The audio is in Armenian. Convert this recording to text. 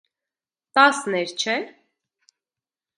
Տասն էր չէ՞: